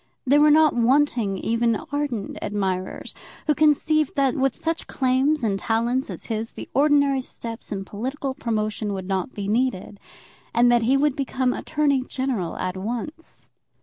There were not wanting even ardent admirers who conceived that, with such claims and such talents as his, the ordinary steps in political promotion would not be needed, and that he would become Attorney General at once.